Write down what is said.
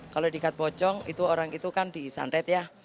kalau dikat pocong orang itu kan disandret ya